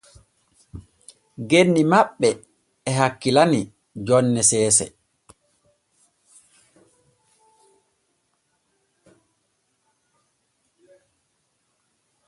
Genni ma ɓe e hakkilani jonne seese.